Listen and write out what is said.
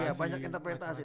iya banyak interpretasi